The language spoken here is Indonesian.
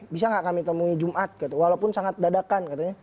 bisa nggak kami temui jumat walaupun sangat dadakan